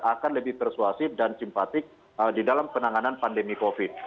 akan lebih persuasif dan simpatik di dalam penanganan pandemi covid